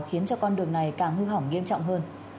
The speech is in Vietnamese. khiến cho con đường này càng hư hỏng nghiêm trọng hơn